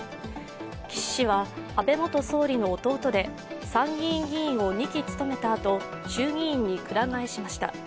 岸氏は安倍元総理の弟で、参議院議員を２期務めたあと衆議院にくら替えしました。